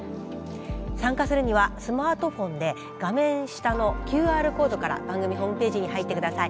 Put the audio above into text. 参加するにはスマートフォンで画面下のＱＲコードから番組ホームページに入ってください。